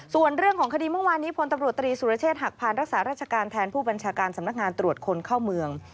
ส่วนเรื่องของคดีเมื่อวานนี้พลตำรวจตรีสุรเชษฐหักพานรักษาราชการแทนผู้บัญชาการสำนักงานตรวจคนเข้าเมือง